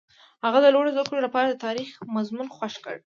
هغه د لوړو زده کړو لپاره د تاریخ مضمون خوښ کړ.